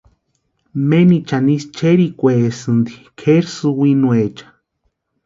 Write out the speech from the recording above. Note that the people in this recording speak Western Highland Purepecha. Menichani ísï cherhikwaesinti kʼerati sïwinuecha.